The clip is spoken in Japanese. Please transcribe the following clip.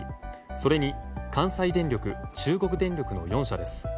それに関西電力中国電力の４社です。